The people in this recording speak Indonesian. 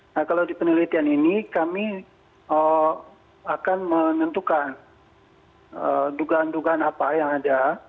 nah kalau di penelitian ini kami akan menentukan dugaan dugaan apa yang ada